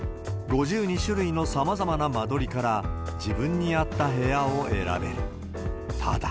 ５２種類のさまざまな間取りから、自分に合った部屋を選べる。